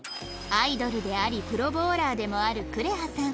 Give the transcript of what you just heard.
アイドルでありプロボウラーでもあるくれはさん